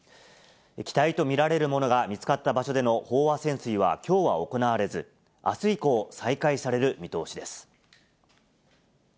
機体と見られるものが見つかった場所での飽和潜水はきょうは行われず、あす以降、再開される見通しです。